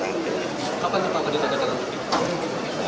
kapan bapak presiden akan naik